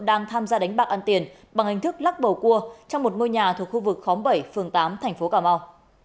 đang tham gia đánh bạc ăn tiền bằng hình thức lắc bầu cua trong một ngôi nhà thuộc khu vực khóm bảy phường tám thành phố cà mau